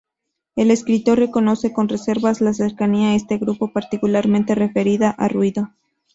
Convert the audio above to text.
El escritor reconoce, con reservas, la cercanía a este grupo, particularmente referida a "Ruido".